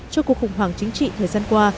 cho cuộc khủng hoảng chính trị thời gian qua